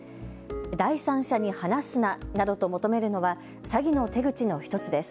第三者に話すななどと求めるのは詐欺の手口の１つです。